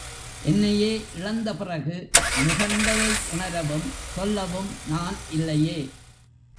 என்னையே இழந்த பிறகு நுகர்ந்ததை உணரவும், சொல்லவும் நான் இல்லையே!